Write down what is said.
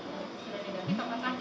apakah dicek juga atau selanjutnya